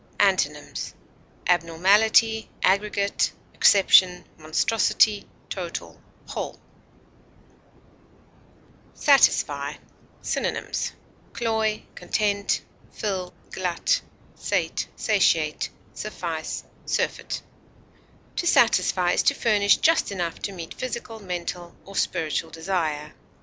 Antonyms: abnormality, aggregate, exception, monstrosity, total, whole. SATISFY. Synonyms: cloy, fill, sate, suffice, content, glut, satiate, surfeit. To satisfy is to furnish just enough to meet physical, mental, or spiritual desire.